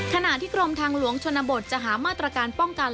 ขณะที่กรมทางหลวงชนบทจะหามาตรการป้องกัน